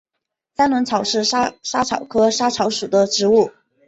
三轮草是莎草科莎草属的植物。